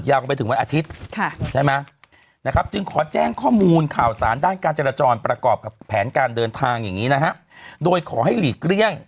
ไปถึงวันอาทิตย์ใช่ไหมนะครับจึงขอแจ้งข้อมูลข่าวสารด้านการจราจรประกอบกับแผนการเดินทางอย่างนี้นะฮะโดยขอให้หลีกเลี่ยง